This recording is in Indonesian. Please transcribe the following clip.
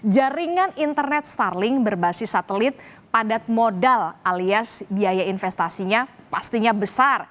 jaringan internet starling berbasis satelit padat modal alias biaya investasinya pastinya besar